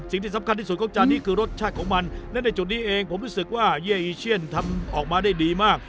สิ่งที่สำคัญที่สุดของจานนี้คือรสชาติของมันและในจุดนี้เองผมรู้สึกว่าเย่อีเชียนทำออกมาได้ดีมาก